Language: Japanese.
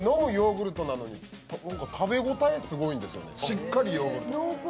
飲むヨーグルトなのに食べ応えすごいんですよ、しっかりヨーグルト。